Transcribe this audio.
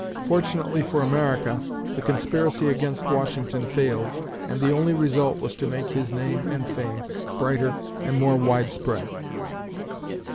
Fortunately for America, the conspiracy against Washington failed and the only result was to make his name and fame brighter and more widespread.